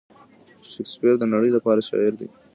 شکسپیر د نړۍ لپاره شاعر دی.